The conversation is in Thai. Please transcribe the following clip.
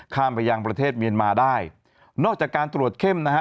ไปยังประเทศเมียนมาได้นอกจากการตรวจเข้มนะฮะ